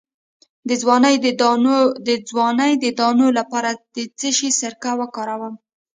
د ځوانۍ د دانو لپاره د څه شي سرکه وکاروم؟